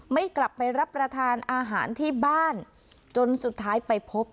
ไม่กลับไปรับประทานอาหารที่บ้านจนสุดท้ายไปพบ